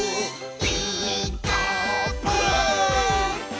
「ピーカーブ！」